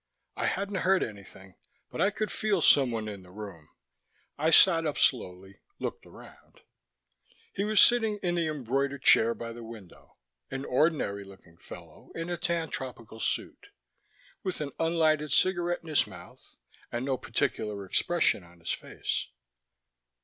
I hadn't heard anything, but I could feel someone in the room. I sat up slowly, looked around. He was sitting in the embroidered chair by the window: an ordinary looking fellow in a tan tropical suit, with an unlighted cigarette in his mouth and no particular expression on his face.